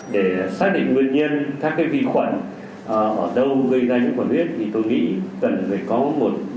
để xác định nguyên nhân các vi khuẩn ở đâu gây ra nhiễm khuẩn huyết thì tôi nghĩ cần phải có một